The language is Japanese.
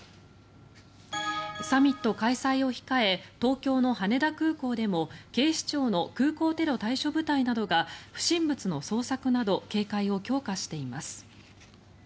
サミット開催を控え東京の羽田空港でも警視庁の空港テロ対処部隊などが不審物の捜索など警戒を強化しています。